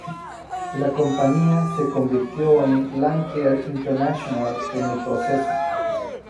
La compañía se convirtió en Lancair International en el proceso.